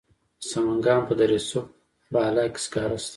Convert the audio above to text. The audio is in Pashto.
د سمنګان په دره صوف بالا کې سکاره شته.